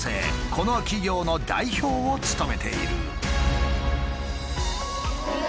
この企業の代表を務めている。